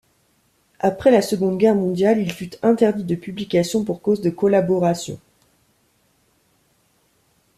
Après la Seconde Guerre mondiale, il fut interdit de publication pour cause de collaboration.